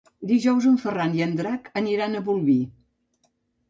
Dijous en Ferran i en Drac aniran a Bolvir.